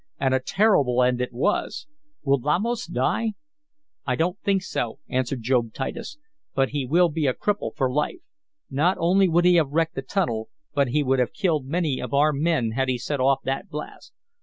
"And a terrible end it was. Will Lamos die?" "I don't think so," answered Job Titus. "But he will be a cripple for life. Not only would he have wrecked the tunnel, but he would have killed many of our men had he set off that blast.